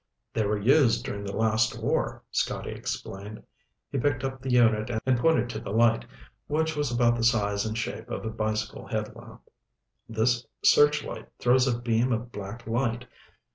"They were used during the last war," Scotty explained. He picked up the unit and pointed to the light, which was about the size and shape of a bicycle head lamp. "This searchlight throws a beam of black light.